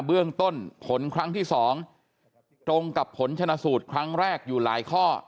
เบื้องต้นผลครั้งที่๒ตรงกับผลชนะสูตรครั้งแรกอยู่หลายข้อ